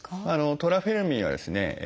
トラフェルミンはですね